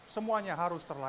semuanya harus terlayani